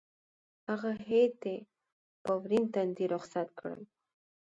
هغه هېئت یې په ورین تندي رخصت کړ.